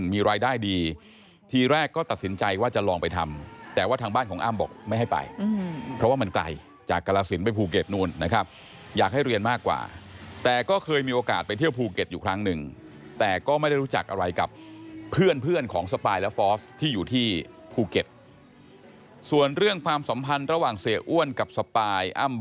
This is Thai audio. มีรายได้ดีทีแรกก็ตัดสินใจว่าจะลองไปทำแต่ว่าทางบ้านของอ้ำบอกไม่ให้ไปเพราะว่ามันไกลจากกรสินไปภูเก็ตนู้นนะครับอยากให้เรียนมากกว่าแต่ก็เคยมีโอกาสไปเที่ยวภูเก็ตอยู่ครั้งหนึ่งแต่ก็ไม่ได้รู้จักอะไรกับเพื่อนเพื่อนของสปายและฟอสที่อยู่ที่ภูเก็ตส่วนเรื่องความสัมพันธ์ระหว่างเสียอ้วนกับสปายอ้